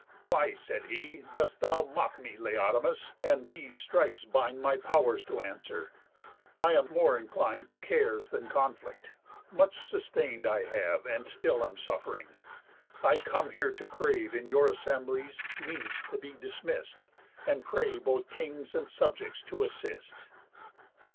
"Why," said he, "dost thou Mock me, Laodamas, and these strifes bind My pow'rs to answer? I am more inclin'd To cares than conflict. Much sustain'd I have, And still am suff'ring. I come here to crave, In your assemblies, means to be dismist, And pray both kings and subjects to assist."